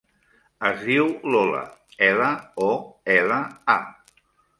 Es diu Lola: ela, o, ela, a.